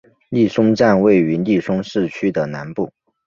利松站位于利松市区的南部。